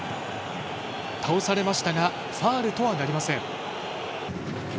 倒されましたがファウルとはなりません。